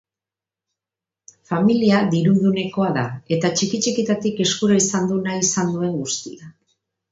Familia dirudunekoa da, eta txiki-txikitatik eskura izan du nahi izan duen guztia.